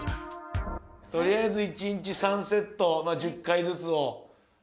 とりあえず一日３セット１０回ずつを目標に。